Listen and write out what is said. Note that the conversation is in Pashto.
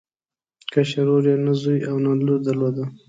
کشر ورور یې نه زوی او نه لور درلوده.